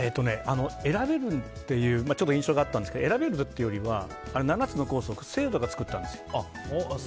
選べるという印象があったんですが選べるというよりは７つのコースを生徒が作ったんですよ。